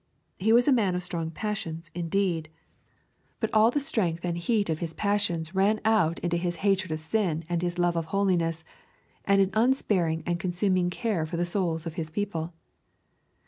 He was a man of strong passions, indeed, but all the strength and heat of his passions ran out into his hatred of sin and his love of holiness, and an unsparing and consuming care for the souls of his people.